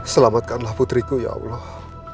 selamatkanlah putriku ya allah